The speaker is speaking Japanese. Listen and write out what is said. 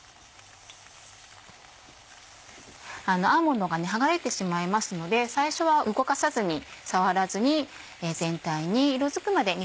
アーモンドが剥がれてしまいますので最初は動かさずに触らずに。